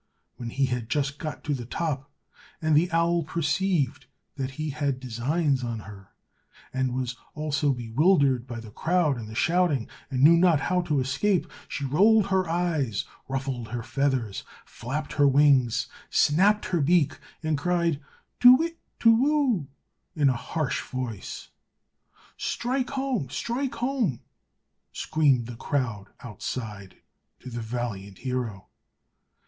When he had just got to the top, and the owl perceived that he had designs on her, and was also bewildered by the crowd and the shouting, and knew not how to escape, she rolled her eyes, ruffled her feathers, flapped her wings, snapped her beak, and cried, "Tuwhit, tuwhoo," in a harsh voice. "Strike home! strike home!" screamed the crowd outside to the valiant hero.